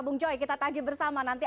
bung joy kita tagih bersama nanti